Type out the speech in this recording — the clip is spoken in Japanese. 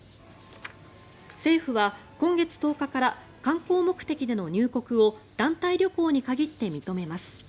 政府は今月１０日から観光目的での入国を団体旅行に限って認めます。